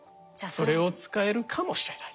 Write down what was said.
それを使えるかもしれない。